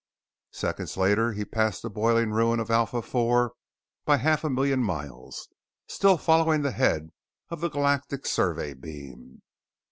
Seconds later he passed the boiling ruin of Alpha IV by a half million miles, still following the head of the Galactic Survey Beam.